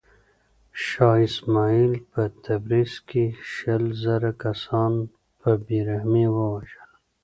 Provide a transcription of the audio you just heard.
شاه اسماعیل په تبریز کې شل زره کسان په بې رحمۍ ووژل.